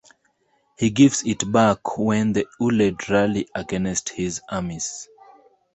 He gives it back when the Ulaid rally against his armies.